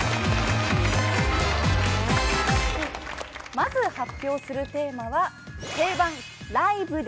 まず発表するテーマは。